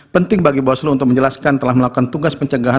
penting bagi bawaslu untuk menjelaskan telah melakukan tugas pencegahan